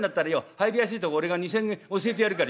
入りやすいとこ俺が２３軒教えてやるから」。